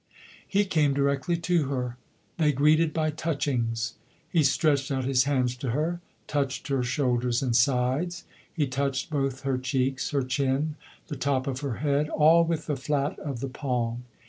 He came directly to her. They greeted by touchings. He stretched out his hands to her, touched her shoulders and sides. He touched both her cheeks, her chin, the top of her head, all with the flat of the palm.